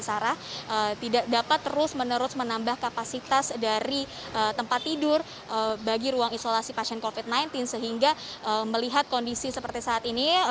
sarah tidak dapat terus menerus menambah kapasitas dari tempat tidur bagi ruang isolasi pasien covid sembilan belas sehingga melihat kondisi seperti saat ini